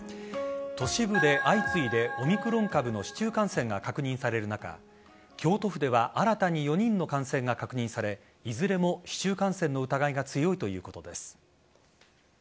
都市部で相次いでオミクロン株の市中感染が確認される中京都府では新たに４人の感染が確認されいずれも市中感染の疑いが強いということです。